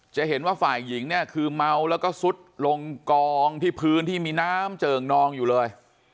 จะเห็นว่าฝ่ายหญิงเนี่ยคือเมาแล้วก็ซุดลงกองที่พื้นที่มีน้ำเจิ่งนองอยู่เลย